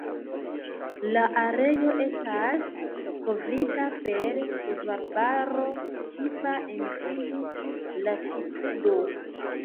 La areo estas kovrita per pluvarbaro tipa en tiu latitudo.